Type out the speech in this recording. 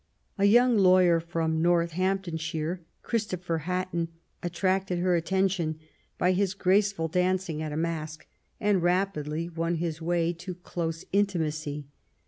A young lawyer from Northamptonshire, Christopher Hatton, attracted her attention by his graceful dan cing at a masque, and rapidly won his way to close intimacy.